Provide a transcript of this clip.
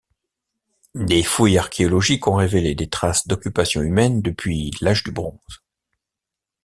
Des fouilles archéologiques ont révélé des traces d'occupation humaine depuis l'Âge du bronze.